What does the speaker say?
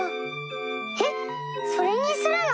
えっそれにするの？